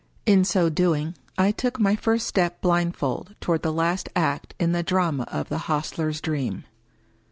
In so doing, I took my first step blindfold toward the last act in the drama of the Hostler's Dream.